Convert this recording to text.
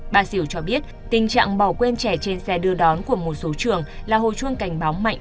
bà diểu cho biết tình trạng bỏ quên trẻ trên xe đưa đón của một số trường là hồi chuông cảnh báo mạnh